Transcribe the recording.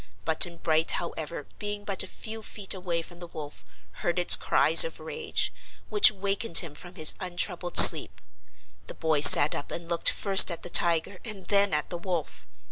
Button Bright, however, being but a few feet away from the wolf, heard its cries of rage, which wakened him from his untroubled sleep. The boy sat up and looked first at the tiger and then at the wolf.